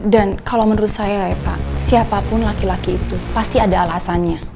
dan kalau menurut saya ya pak siapapun laki laki itu pasti ada alasannya